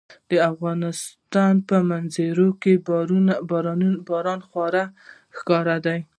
د افغانستان په منظره کې باران خورا ښکاره دی.